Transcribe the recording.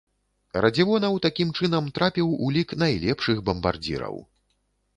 Радзівонаў такім чынам трапіў у лік найлепшых бамбардзіраў.